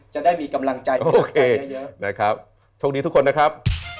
จะได้มีกำลังใจมีกำลังใจเยอะโอเคได้ครับโชคดีทุกคนนะครับ